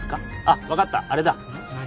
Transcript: あっ分かったあれだうんっ何？